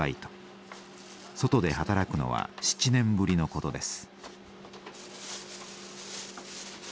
外で働くのは７年ぶりのことです。